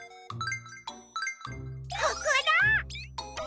ここだ！